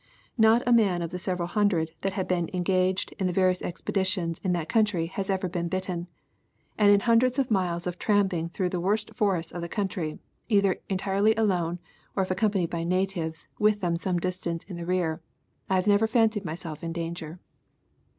Not a man of the several hundred that have been engaged in the 330 National Geographic Magazine. various expeditions in that country has ever been bitten, and in hundreds of miles of tramping through the worst forests of the country, either entirely alone or if accompanied by natives, with them some distance in the rear, 1 have never fancied myself in danger.